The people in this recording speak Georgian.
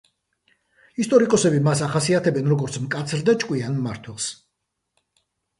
ისტორიკოსები მას ახასიათებენ, როგორც მკაცრ და ჭკვიან მმართველს.